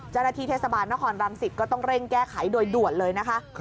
จรฐีเทศบาลนครรังสิทธิ์ก็ต้องเร่งแก้ไขโดยด่วนเลยนะคะ